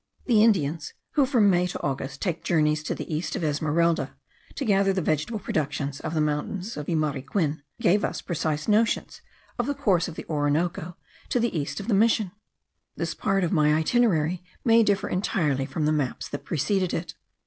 The Indians, who from May to August take journeys to the east of Esmeralda, to gather the vegetable productions of the mountains of Yumariquin, gave us precise notions of the course of the Orinoco to the east of the mission. This part of my itinerary may differ entirely from the maps that preceded it.